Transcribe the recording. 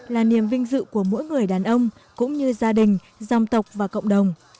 là niềm vinh dự của mỗi người đàn ông cũng như gia đình dòng tộc và cộng đồng